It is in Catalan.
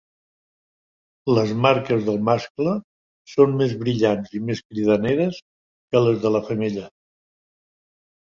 Les marques del mascle són més brillants i més cridaneres que les de la femella.